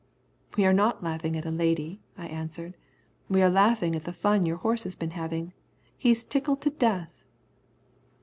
"We are not laughing at a lady," I answered; "we're laughing at the fun your horse has been having. He's tickled to death."